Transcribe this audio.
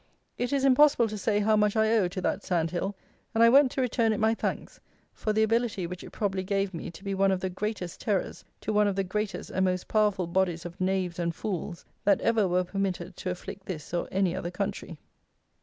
It is impossible to say how much I owe to that sand hill; and I went to return it my thanks for the ability which it probably gave me to be one of the greatest terrors, to one of the greatest and most powerful bodies of knaves and fools, that ever were permitted to afflict this or any other country.